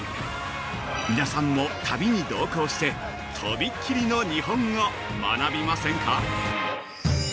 皆さんも、旅に同行してとびっきりの日本を学びませんか。